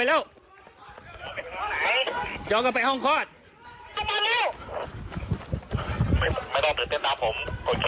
ล่าเข่าไปข้างนอกล่าเข่าไปข้างนอก